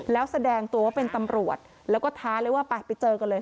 แล้วแสดงตัวว่าเป็นตำรวจแล้วก็ท้าเลยว่าไปไปเจอกันเลย